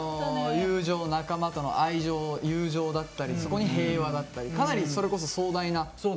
友情仲間との愛情友情だったりそこに平和だったりかなりそれこそ壮大な。